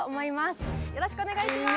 よろしくお願いします。